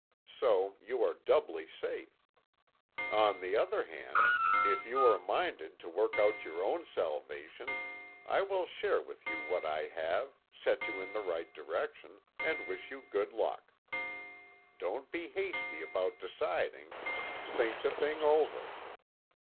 So you are doubly safe. On the other hand, if you are minded to work out your own salvation I will share with you what I have, set you in the right direction, and wish you good luck. Don't be hasty about deciding. Think the thing over."